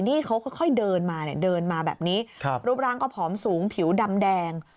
นี่เขาก็ค่อยเดินมาแบบนี้รูปร่างก็ผอมสูงผิวดำแดง